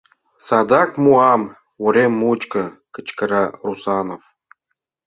— Садак муам! — урем мучко кычкыра Русанов.